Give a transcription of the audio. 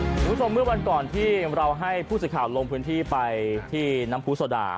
เมื่อวันก่อนที่เราให้ผู้สื่อข่าวลงพื้นที่ไปที่น้ำผู้โซดา